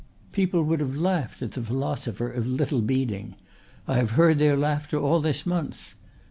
People would have laughed at the philosopher of Little Beeding. I have heard their laughter all this month.